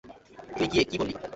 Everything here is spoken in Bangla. তুই গিয়ে কী বললি?